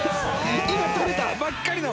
今採れたばっかりの。